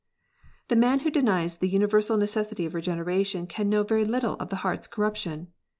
The man who denies the universal necessity of Regeneration can know very little of the heart s corruption.